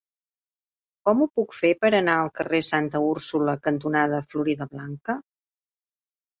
Com ho puc fer per anar al carrer Santa Úrsula cantonada Floridablanca?